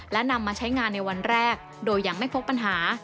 และนำมาใช้งานในวันแรกโดยยังไม่พบปัญหา